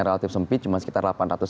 relatif sempit cuma sekitar delapan ratus